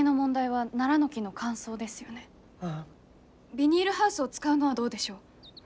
ビニールハウスを使うのはどうでしょう？